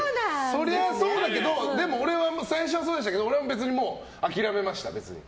そりゃそうだけどでも、俺は最初はそうでしたけど俺は別にもう諦めました。